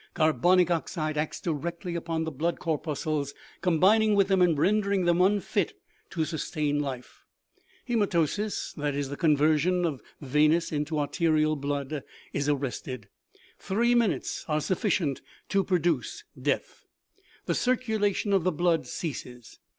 Carbonic oxide acts directly upon the blood corpuscles, combining with them and rendering them unfit to sustain life : hema tosis, that is, the conversion of venous into arterial blood, is arrested. Three minutes are sufficient to produce death. The circulation of the blood ceases.